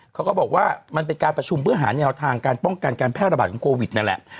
เขาก็บอกว่ามันเป็นการประชุมเพื่อหาแนวทางการป้องกันการแพร่ระบาดของโควิดนั่นแหละ